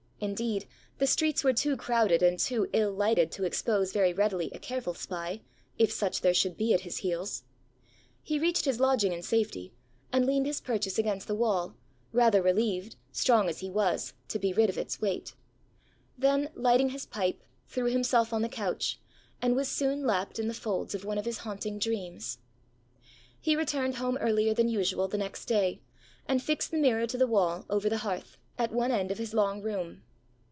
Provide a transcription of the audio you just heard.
Indeed, the streets were too crowded and too ill lighted to expose very readily a careful spy, if such there should be at his heels. He reached his lodging in safety, and leaned his purchase against the wall, rather relieved, strong as he was, to be rid of its weight; then, lighting his pipe, threw himself on the couch, and was soon lapt in the folds of one of his haunting dreams. He returned home earlier than usual the next day, and fixed the mirror to the wall, over the hearth, at one end of his long room.